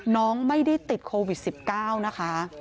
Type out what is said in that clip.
น้องไม่ได้ติดโควิด๑๙นะคะ